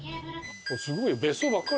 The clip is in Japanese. すごいよ。